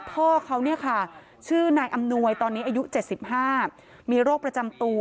พ่อเขาเนี่ยค่ะชื่อนายอำนวยตอนนี้อายุ๗๕มีโรคประจำตัว